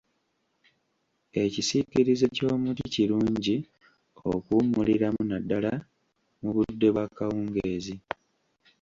Ekisiikirize ky’omuti kirungi okuwummuliramu naddala mu budde bw'akawungeezi.